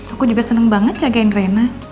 aku juga senang banget jagain rena